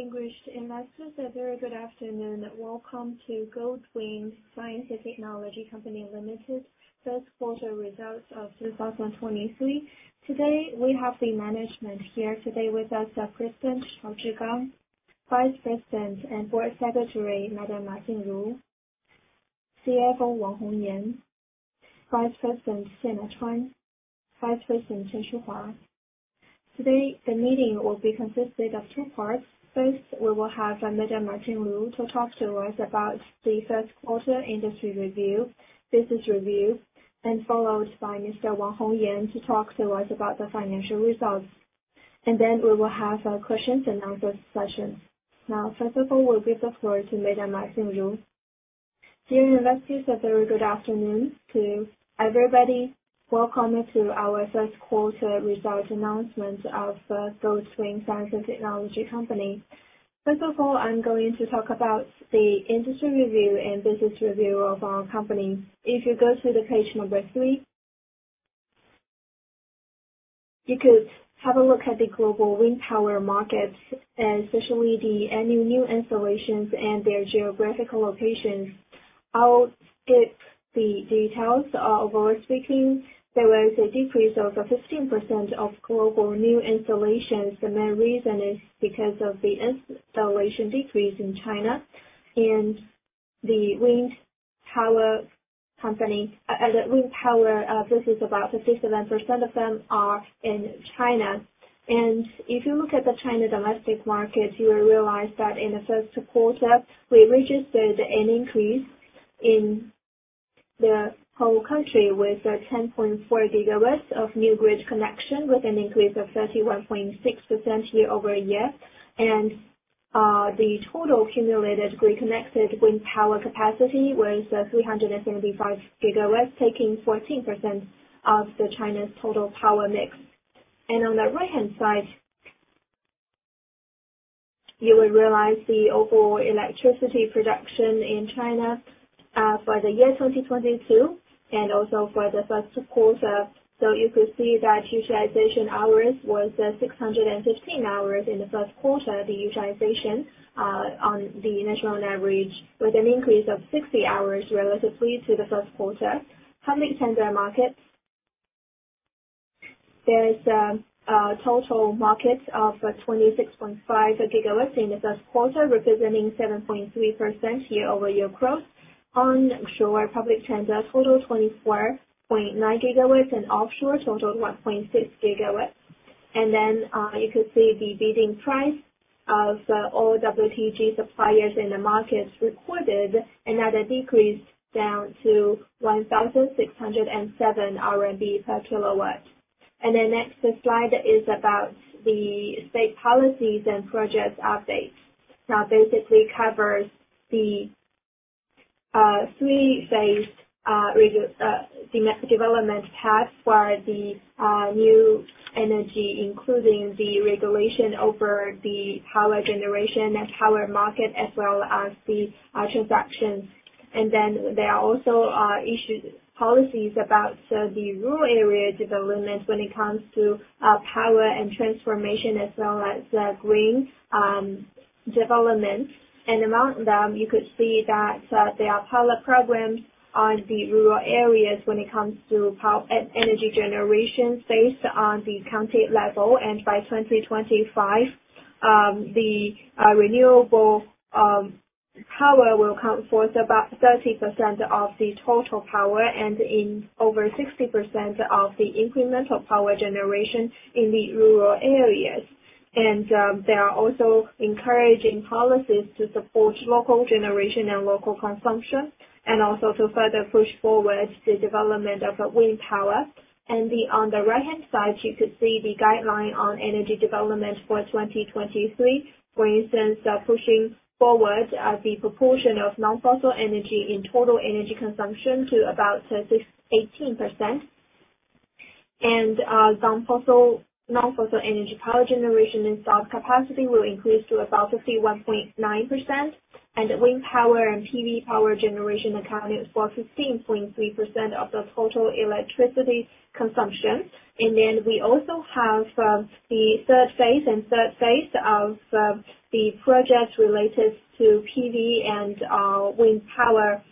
Distinguished investors, a very good afternoon. Welcome to Goldwind Science & Technology Co, Ltd First Quarter Results of 2023. Today, we have the management here with us, President Cao Zhigang, Vice President and Board Secretary Madam Ma Jinru, CFO Wang Hongyan, Vice President Xue Naichuan, Vice President Chen Qiuhua. Today, the meeting will consist of two parts. First, we will have Madam Ma Jinru to talk to us about the first quarter industry review, business review, and followed by Mr. Wang Hongyan to talk to us about the financial results. Then we will have our questions and answers session. Now, first of all, we'll give the floor to Madam Ma Jinru. Dear investors, a very good afternoon to everybody. Welcome to our first quarter results announcement of Goldwind Science & Technology Company. First of all, I'm going to talk about the industry review and business review of our company. If you go to the page number three. You could have a look at the global wind power markets, and especially the annual new installations and their geographical locations. I'll skip the details. Overall speaking, there was a decrease of 15% of global new installations. The main reason is because of the installation decrease in China and the wind power company, wind power, this is about 57% of them are in China. And if you look at the China domestic market, you will realize that in the first quarter, we registered an increase in the whole country with 10.4 GW of new grid connection with an increase of 31.6% year-over-year. And the total accumulated grid-connected wind power capacity was 375 GW, taking 14% of China's total power mix. On the right-hand side, you will realize the overall electricity production in China for the year 2022 and also for the first quarter. You could see that utilization hours was 615 hours in the first quarter. The utilization on the national average, with an increase of 60 hours relatively to the first quarter. Public tender markets. There is a total market of 26.5 GW in the first quarter, representing 7.3% year-over-year growth. Onshore public tender total 24.9 GW and offshore total 1.6 GW. And then you could see the bidding price of all WTG suppliers in the markets recorded another decrease down to 1,607 RMB/kW. The next slide is about the state policies and projects updates. Now basically covers the three phased development path for the new energy including the regulation over the power generation and power market as well as the transactions. There are also policies about the rural area development when it comes to power and transformation as well as green development. Among them, you could see that there are pilot programs on the rural areas when it comes to energy generation based on the county level. By 2025, the renewable power will account for about 30% of the total power and in over 60% of the incremental power generation in the rural areas. They are also encouraging policies to support local generation and local consumption, and also to further push forward the development of wind power. On the right-hand side, you could see the guideline on energy development for 2023. For instance, pushing forward the proportion of non-fossil energy in total energy consumption to about 18%. Some non-fossil energy power generation installed capacity will increase to about 51.9%, and wind power and PV power generation accounted for 15.3% of the total electricity consumption. And then we also have the third phase of the projects related to PV and wind power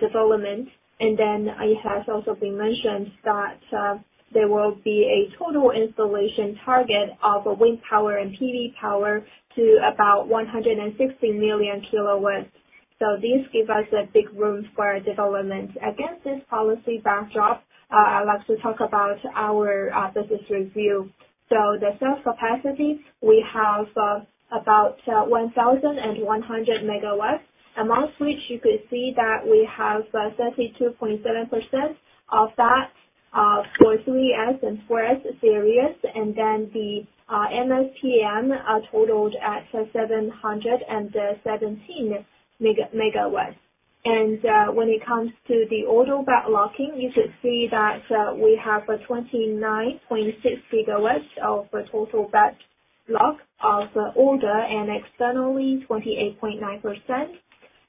development. And then it has also been mentioned that there will be a total installation target of wind power and PV power to about 160 million kW. This give us a big room for development. Against this policy backdrop, I'd like to talk about our business review. The sell capacity we have about 1,100 MW, amongst which you could see that we have 32.7% of that for 3S and 4S series. The MSPM totaled at 717 MW. When it comes to the order backlogging, you could see that we have a 29.6 GW of total backlog of order and externally 28.9%.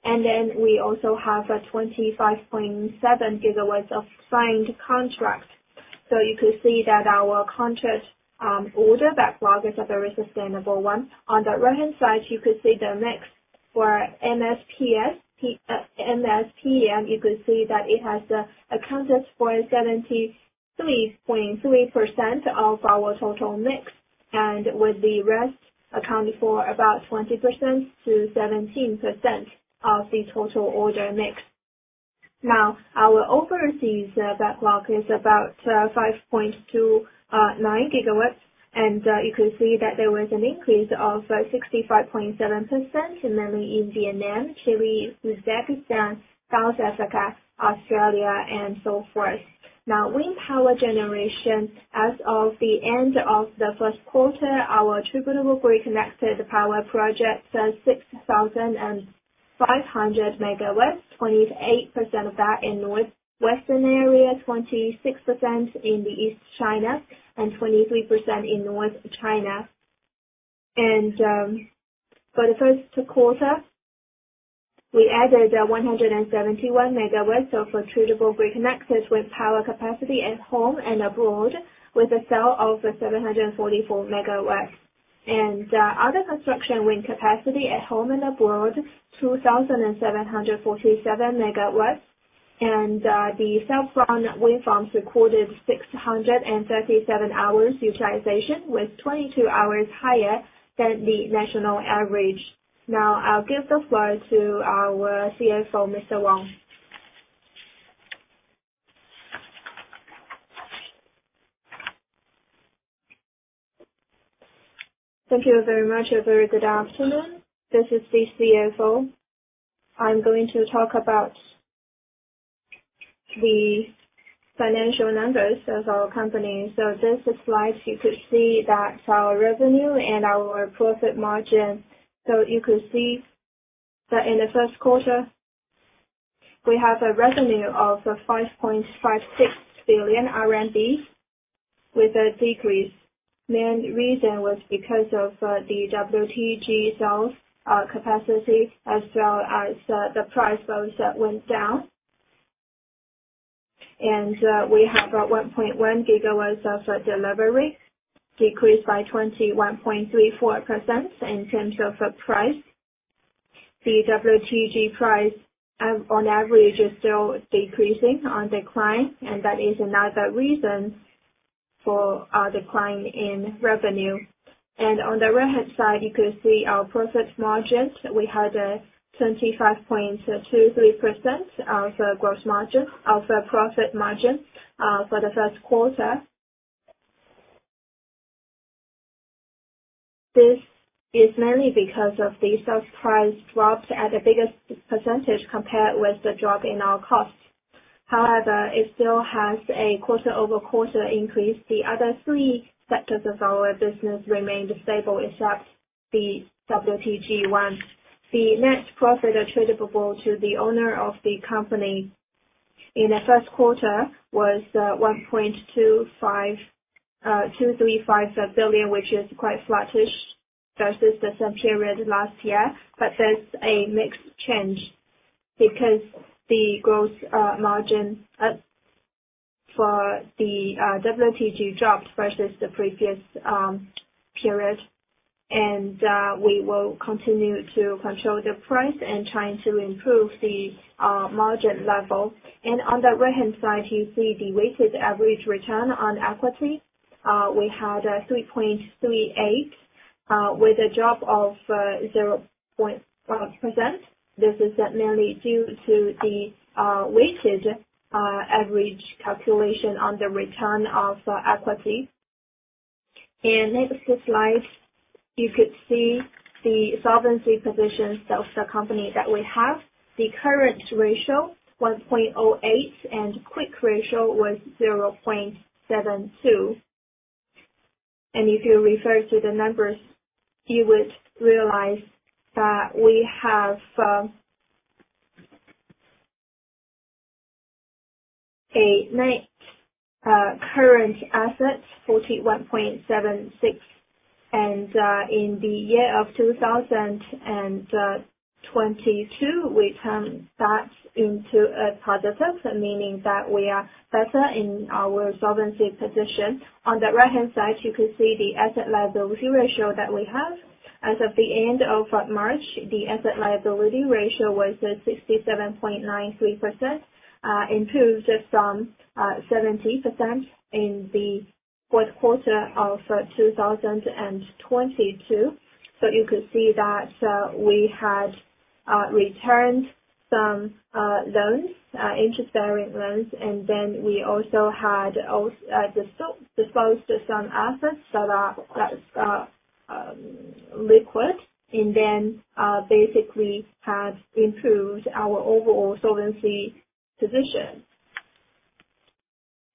We also have a 25.7 GW of signed contract. You could see that our contract order backlog is a very sustainable one. On the right-hand side, you could see the mix for MSPM. You could see that it has accounted for 73.3% of our total mix. With the rest accounting for about 20%-17% of the total order mix. Our overseas backlog is about 5.29 GW. You could see that there was an increase of 65.7%, mainly in Vietnam, Chile, Uzbekistan, South Africa, Australia, and so forth. Wind power generation. As of the end of the first quarter, our attributable grid-connected power projects are 6,500 MW, 28% of that in northwestern area, 26% in the East China, and 23% in North China. For the first quarter, we added 171 MW of attributable grid-connected with power capacity at home and abroad, with the sale of 744 MW. Other construction wind capacity at home and abroad, 2,747 MW. The self-built wind farms recorded 637 hours utilization, with 22 hours higher than the national average. I'll give the floor to our CFO, Mr. Wang. Thank you very much. A very good afternoon. This is the CFO. I'm going to talk about the financial numbers of our company. In this slide you could see that our revenue and our profit margin. You could see that in the first quarter, we have a revenue of 5.56 billion RMB, with a decrease. Main reason was because of the WTG sales capacity, as well as the price also went down. We have a 1.1 GW of delivery decreased by 21.34% in terms of price. The WTG price on average is still decreasing, on decline, and that is another reason for our decline in revenue. On the right-hand side, you could see our profit margin. We had a 25.23% of the gross margin, of the profit margin, for the first quarter. This is mainly because of the sales price dropped at a bigger percentage compared with the drop in our costs. However, it still has a quarter-over-quarter increase. The other three sectors of our business remained stable except the WTG one. The net profit attributable to the owner of the company in the first quarter was 1.235 billion, which is quite flattish versus the same period last year. There's a mix change because the gross margin for the WTG dropped versus the previous period. We will continue to control the price and trying to improve the margin level. On the right-hand side, you see the weighted average return on equity. We had a 3.38 GW with a drop of 0.1%. This is mainly due to the weighted average calculation on the return on equity. In next slide, you could see the solvency positions of the company that we have. The current ratio, 1.08, and quick ratio was 0.72. If you refer to the numbers, you would realize that we have a net current asset, 41.76 billion. In the year of 2022, we turned that into a positive, meaning that we are better in our solvency position. On the right-hand side, you could see the asset-liability ratio that we have. As of the end of March, the asset-liability ratio was at 67.93%, improved from 70% in the fourth quarter of 2022. You could see that we had returned some loans, interest-bearing loans, and then we also had disposed some assets that are liquid, and then basically have improved our overall solvency position.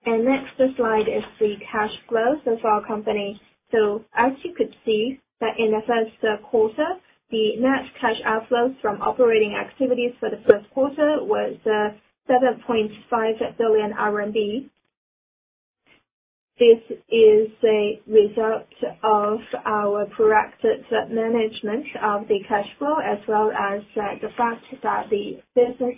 Next slide is the cash flow of our company. As you could see that in the first quarter, the net cash outflows from operating activities for the first quarter was 7.5 billion RMB. This is a result of our proactive management of the cash flow as well as the fact that the business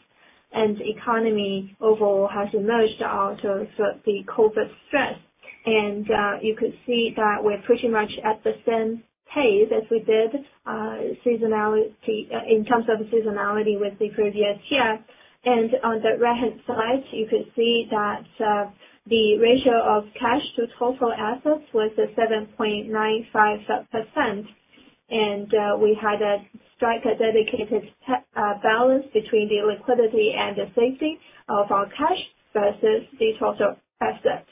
and economy overall has emerged out of the COVID stress. You could see that we're pretty much at the same pace as we did in terms of seasonality with the previous year. On the right-hand side, you could see that, the ratio of cash to total assets was at 7.95%. We had a strike a dedicated balance between the liquidity and the safety of our cash versus the total assets.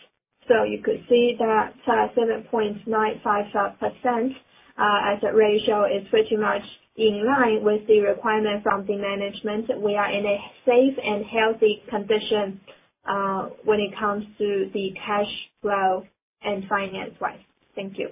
You could see that, 7.95%, as a ratio is pretty much in line with the requirement from the management. We are in a safe and healthy condition, when it comes to the cash flow and finance-wise. Thank you.